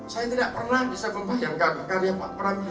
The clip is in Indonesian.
saya tidak pernah bisa membahayakan karya pak pram bisa dinikmati